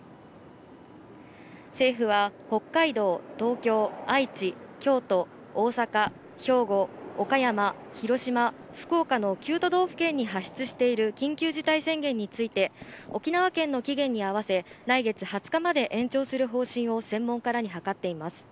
政府は北海道、東京、愛知、京都、大阪、兵庫、岡山、広島、福岡の９都道府県に発出している緊急事態宣言について、沖縄県の期限に合わせ来月２０日まで延長する方針を専門家らに諮っています。